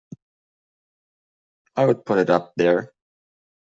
I would put it up there!